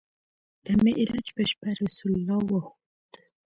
د معراج په شپه رسول الله وخوت.